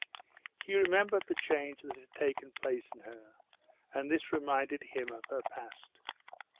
He remembered the change that had taken place in her, and this reminded him of her past.